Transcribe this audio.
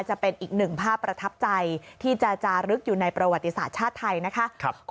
จะเป็นอีกหนึ่งภาพประทับใจที่จะจารึกอยู่ในประวัติศาสตร์ชาติไทยนะคะ